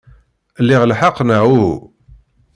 Liɣ lḥeqq, neɣ uhu?